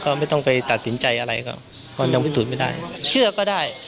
ก็ไม่ต้องไปตัดสินใจอะไรก็ยังพิสูจน์ไม่ได้เชื่อก็ได้